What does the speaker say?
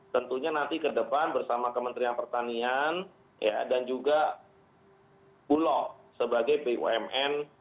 tentunya nanti ke depan bersama kementerian pertanian dan juga bulog sebagai bumn